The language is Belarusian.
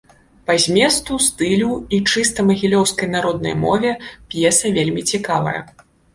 Па зместу, стылю і чыста магілёўскай народнай мове п'еса вельмі цікавая.